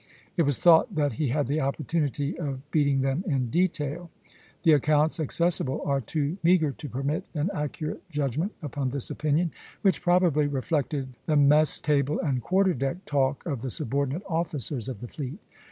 It was thought that he had the opportunity of beating them in detail. The accounts accessible are too meagre to permit an accurate judgment upon this opinion, which probably reflected the mess table and quarter deck talk of the subordinate officers of the fleet.